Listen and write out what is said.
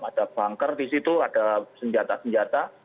ada bunker di situ ada senjata senjata